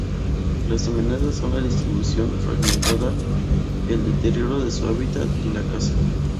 Las amenazas son la distribución fragmentada, el deterioro de su hábitat y la caza.